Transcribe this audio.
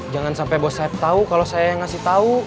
jangan sampai bos saeb tau kalau saya yang ngasih tau